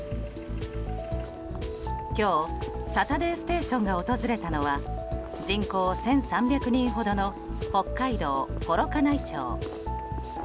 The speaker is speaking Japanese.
今日「サタデーステーション」が訪れたのは人口１３００人ほどの北海道幌加内町。